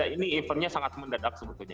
ini eventnya sangat mendadak sebetulnya